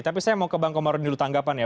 tapi saya mau ke bang komarudin dulu tanggapan ya